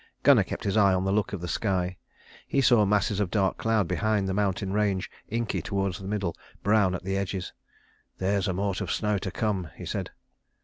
Gunnar kept his eye on the look of the sky. He saw masses of dark cloud behind the mountain range, inky towards the middle, brown at the edges. "There's a mort of snow to come," he said.